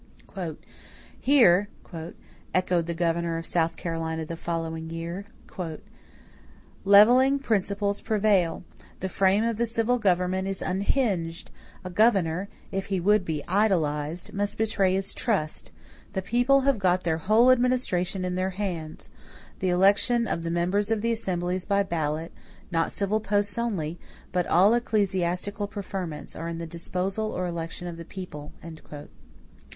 "Here," echoed the governor of South Carolina, the following year, "levelling principles prevail; the frame of the civil government is unhinged; a governor, if he would be idolized, must betray his trust; the people have got their whole administration in their hands; the election of the members of the assembly is by ballot; not civil posts only, but all ecclesiastical preferments, are in the disposal or election of the people."